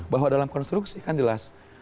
kalau kita lihat konstruksi kan jelas